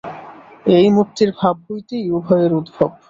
এই মুক্তির ভাব হইতেই উভয়ের উদ্ভব।